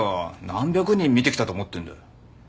何百人見てきたと思ってんだ。